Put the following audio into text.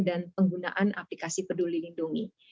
dan penggunaan aplikasi peduli lindungi